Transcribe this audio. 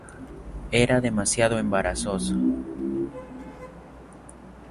Era demasiado embarazoso".